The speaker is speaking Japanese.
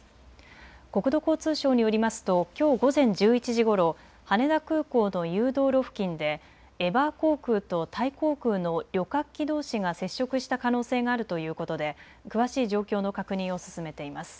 国土交通省によりますときょう午前１１時ごろ、羽田空港の誘導路付近でエバー航空とタイ航空の旅客機どうしが接触した可能性があるということで詳しい状況の確認を進めています。